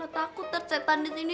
takut tercetan di sini